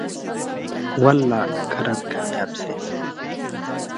والله که رانه کاميابه شې.